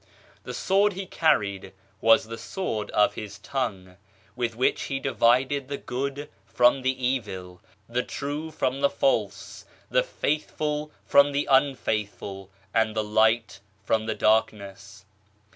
The sword He carried was the sword of His tongue, with which He divided the good from the evil, the True from the False, the Faithful from the Unfaithful, and the Light from the Darkness.